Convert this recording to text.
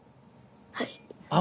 はい。